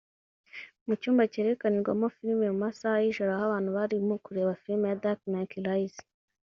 Mu cyumba cyerekanirwamo filime mu masaha y’ijoro aho abantu bari mo kureba film ya Dark Knight Rises